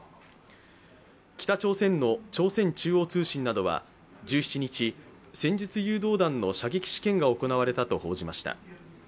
北朝鮮の朝鮮中央通信などは１７日、戦術誘導弾の射撃試験が行われたと報じました。